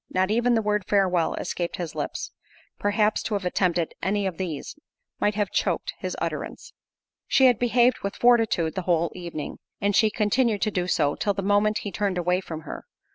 Not even the word "Farewell," escaped his lips—perhaps, to have attempted any of these, might have choaked his utterance. She had behaved with fortitude the whole evening, and she continued to do so, till the moment he turned away from her.